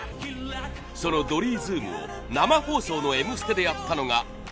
そのドリーズームを生放送の『Ｍステ』でやったのがこちら。